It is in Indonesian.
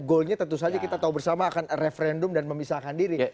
goalnya tentu saja kita tahu bersama akan referendum dan memisahkan diri